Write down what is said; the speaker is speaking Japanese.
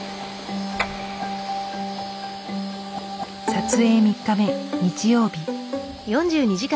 撮影３日目日曜日。